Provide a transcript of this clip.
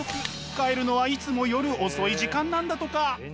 帰るのはいつも夜遅い時間なんだとか！